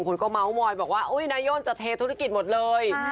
คนก็เม้ามอยบอกว่าอุ๊ยนายโยงจะเทศุรกิจหมดเลย